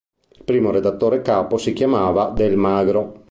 Il primo redattore capo si chiamava Del Magro.